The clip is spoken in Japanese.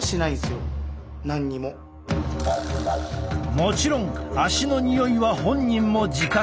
もちろん足のにおいは本人も自覚。